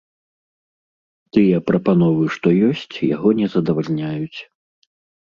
Тыя прапановы, што ёсць, яго не задавальняюць.